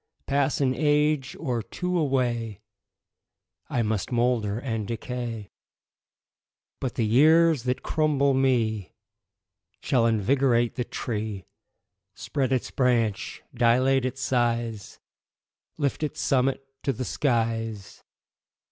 Pass an age or two away, I must moulder and decay, But the years that crumble me Shall invigorate the tree, Spread its branch, dilate its size, Lift its summit to the skies.